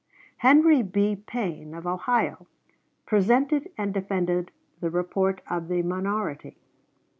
Henry B. Payne, of Ohio, presented and defended the report of the minority.